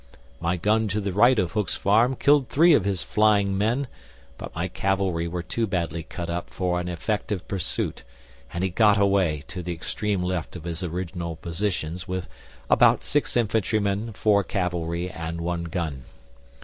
My gun to the right of Hook's Farm killed three of his flying men, but my cavalry were too badly cut up for an effective pursuit, and he got away to the extreme left of his original positions with about 6 infantry men, 4 cavalry, and 1 gun.